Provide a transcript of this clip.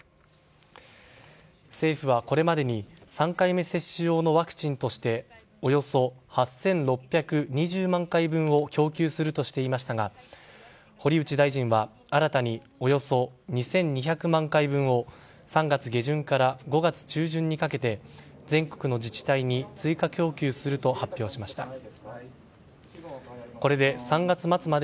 政府はこれまでに３回目接種用のワクチンとしておよそ８６２０万回分を供給するとしていましたが堀内大臣は新たにおよそ２２００万回分を３月下旬から５月中旬にかけて全国の自治体に追加供給すると発表しました。